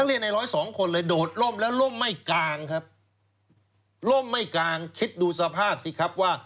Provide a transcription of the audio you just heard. เรียกในร้อยสองคนเลยโดดล่มแล้วล่มไม่กลางครับล่มไม่กลางคิดดูสภาพสิครับว่า